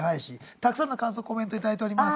たくさんの感想コメント頂いております。